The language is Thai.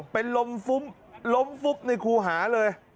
เป็นลมฟุ๊บในคูหาเลย